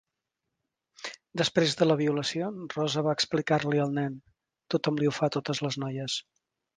Després de la violació, Rosa va explicar-li al nen: Tothom li ho fa a totes les noies.